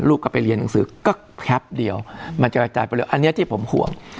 ก็ไปเรียนหนังสือก็แป๊บเดียวมันจะกระจายไปเลยอันนี้ที่ผมห่วง